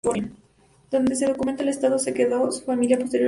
Donde se documenta el estado en quedó su familia posterior al asesinato.